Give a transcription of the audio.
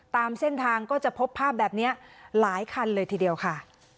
ตามเส้นทางก็จะพบภาพแบบนี้หลายคันเลยทีเดียวค่ะ